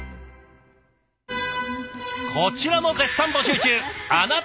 こちらも絶賛募集中